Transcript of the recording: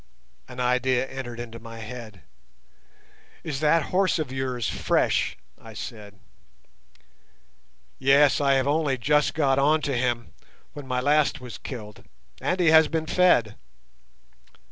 An idea entered into my head. "Is that horse of yours fresh?" I said. "Yes, I have only just got on to him—when my last was killed, and he has been fed."